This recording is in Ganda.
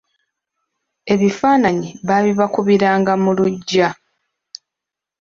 Ebifaananyi baabibakubiranga mu lugya.